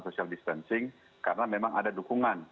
social distancing karena memang ada dukungan